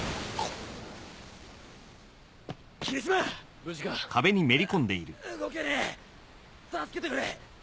う動けねえ助けてくれ。